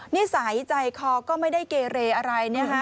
นิสัยใจคอก็ไม่ได้เกเรอะไรนะฮะ